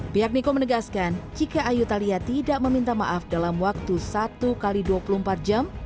pihak niko menegaskan jika ayu thalia tidak meminta maaf dalam waktu satu x dua puluh empat jam